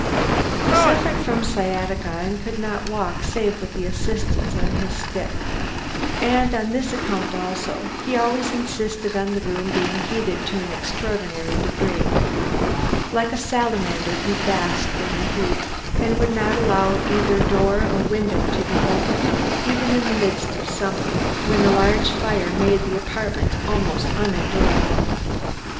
He suffered from sciatica, and could not walk save with the assistance of his stick. And on this account also, he always insisted on the room being heated to an extraordinary degree. Like a salamander he basked in the heat, and would not allow either door or window to be opened, even in the midst of summer, when a large fire made the apartment almost unendurable.